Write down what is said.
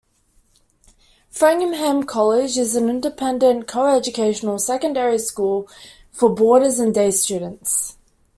Framlingham College is an independent, coeducational secondary school for boarders and day students.